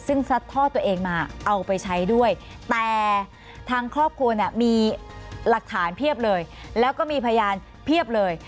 ซึ่งซัดทอดตัวเองมาเอาไปใช้ด้วยแต่ทางครอบครัวเนี่ยมีหลักฐานเพียบเลยแล้วก็มีพยานเพียบเลย